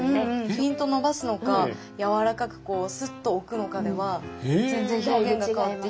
ピンと伸ばすのか柔らかくすっと置くのかでは全然表現が変わってきますね。